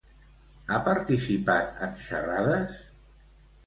Ha participat en xerrades?